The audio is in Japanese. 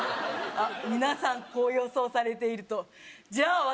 あっ皆さんこう予想されているとじゃあ